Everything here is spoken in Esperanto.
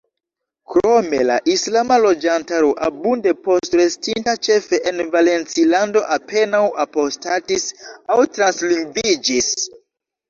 Krome, la islama loĝantaro, abunde postrestinta, ĉefe en Valencilando, apenaŭ apostatis aŭ translingviĝis.